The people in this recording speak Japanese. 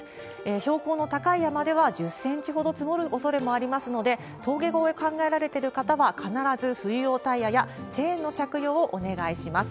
標高の高い山では１０センチほど積もるおそれもありますので、峠越え考えられてる方は、必ず冬用タイヤやチェーンの着用をお願いします。